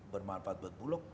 bermanfaat buat bulog